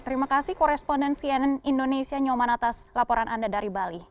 terima kasih koresponden cnn indonesia nyoman atas laporan anda dari bali